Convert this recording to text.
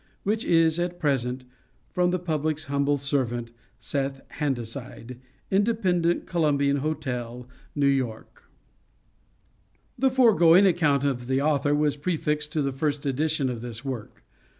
Which is all at present From the public's humble servant, SETH HANDASIDE. INDEPENDENT COLUMBIAN HOTEL, NEW YORK. The foregoing account of the author was prefixed to the first edition of this work.